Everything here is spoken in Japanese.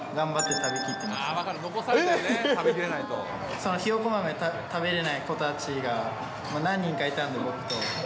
そのひよこ豆食べれない子たちが何人かいたんで、僕と。